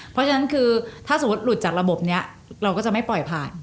เพราะฉะนั้นคือถ้าสมมุติหลุดจากระบบนี้เราก็จะไม่ปล่อยผ่าน